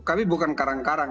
kami bukan karang karang